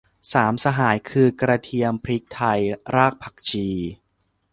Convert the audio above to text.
สามสหายคือ กระเทียม พริกไทย รากผักชี